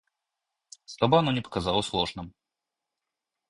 чтобы оно не показалось ложным.